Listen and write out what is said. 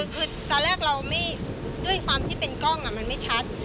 คือตอนแรกเราไม่ด้วยความที่เป็นกล้องมันไม่ชัด